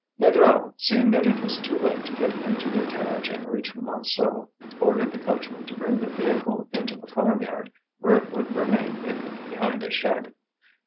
Négrel, seeing that it was too late to get into their carriage and reach Montsou, ordered the coachman to bring the vehicle into the farmyard, where it would remain hidden behind a shed.